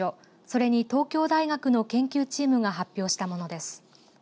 それに、東京大学の研究チームが発表したものです。